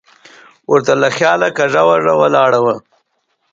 ور ته له خیاله کوږه وږه ولاړه وه.